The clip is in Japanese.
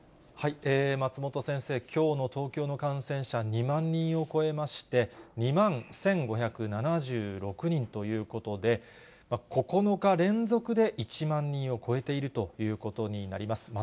松本先生、きょうの東京の感染者、２万人を超えまして、２万１５７６人ということで、９日連続で１万人を超えているということになります。